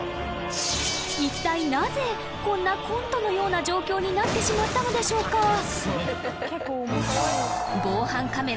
［いったいなぜこんなコントのような状況になってしまったのでしょうか？］